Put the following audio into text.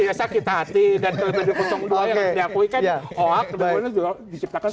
oak bumn juga diciptakan sebagai fakta